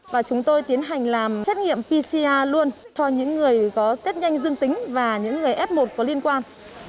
và chúng tôi tiến hành làm xét nghiệm pcr luôn cho những người có test nhanh dương tính và những người f một có liên quan